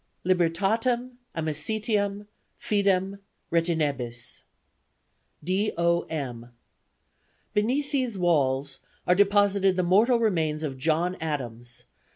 LIBERTATEM, AMICITIAM, FIDEM, RETINEBIS D. O. M. BENEATH THESE WALLS ARE DEPOSITED THE MORTAL REMAINS OF JOHN ADAMS.